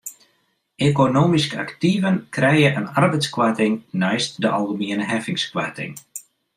Ekonomysk aktiven krije in arbeidskoarting neist de algemiene heffingskoarting.